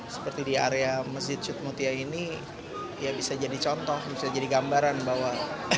seperti di area masjid cutmutia ini ya bisa jadi contoh bisa jadi gambaran bahwa